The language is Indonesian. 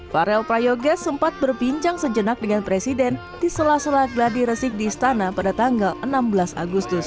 farel prayoga sempat berbincang sejenak dengan presiden di sela sela gladi resik di istana pada tanggal enam belas agustus